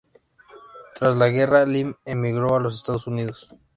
Tras la guerra, Lim emigró a los Estados Unidos.